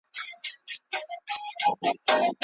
خبره په سوچ وکړه چي بل څوک ونه ځوريږي او دوستي پاته سي تل .